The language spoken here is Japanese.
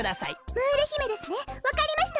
ムール姫ですねわかりました。